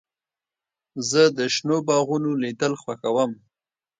زه د شنو باغونو لیدل خوښوم.